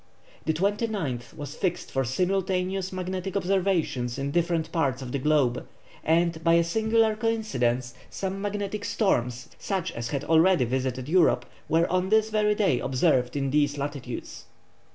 The 29th was fixed for simultaneous magnetic observations in different parts of the globe, and by a singular coincidence some magnetic storms such as had already visited Europe, were on this very day observed in these latitudes.